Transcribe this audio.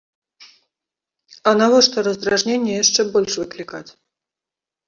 А навошта раздражненне яшчэ больш выклікаць?